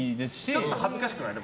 ちょっと恥ずかしくなるよね。